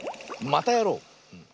「またやろう！」。